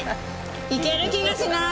いける気がしない！